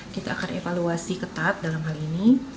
kita akan evaluasi ketat dalam hal ini